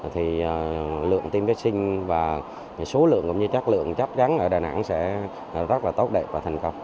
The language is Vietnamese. thì lượng tiêm vệ sinh và số lượng cũng như chất lượng chắc chắn ở đà nẵng sẽ rất là tốt đẹp và thành công